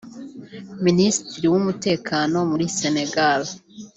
Minisitiri w’Umutekano muri Senegal